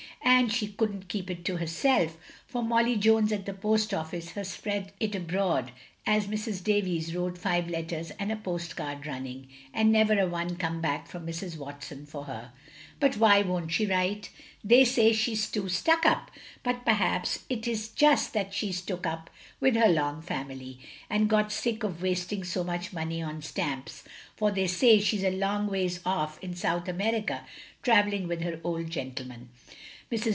And she couldn't keep it to herself, for Molly Jones at the Post office her spread it abroad as Mrs. Davies wrote five letters and a post card running, and never a one come back from Mrs. Watson for her. " "But why won't she write?" "They say she's too stuck up; but perhaps 't is just that she 's took up with her long family, and got sick of wasting so much money on stamps, for they say she's a long ways off in South America travelling with her old gentleman. Mrs.